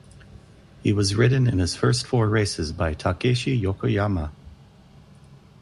He was ridden in his first four races by Takeshi Yokoyama.